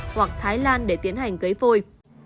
hoặc thái lan để tiến hành cấy phôi